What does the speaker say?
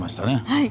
はい！